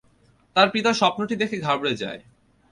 তার পিতা স্বপ্নটি দেখে ঘাবড়ে যায়।